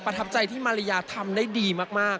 ทับใจที่มาริยาทำได้ดีมาก